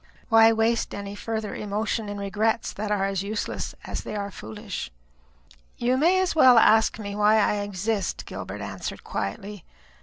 Why waste any further emotion in regrets that are as useless as they are foolish?" "You may as well ask me why I exist," Gilbert answered quietly.